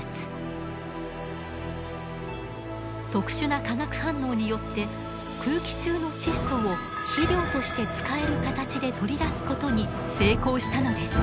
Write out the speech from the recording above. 特殊な化学反応によって空気中の窒素を肥料として使える形で取り出すことに成功したのです。